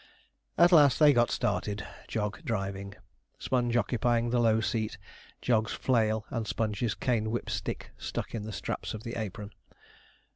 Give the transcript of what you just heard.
At last they got started, Jog driving. Sponge occupying the low seat, Jog's flail and Sponge's cane whip stick stuck in the straps of the apron.